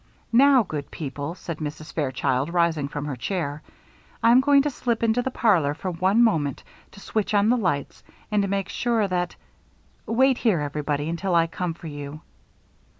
"Now, good people," said Mrs. Fairchild, rising from her chair, "I'm going to slip into the parlor for one moment to switch on the lights and to make sure that wait here, everybody, until I come for you."